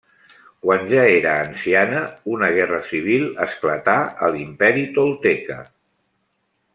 Quan ja era anciana, una guerra civil esclatà a l'Imperi tolteca.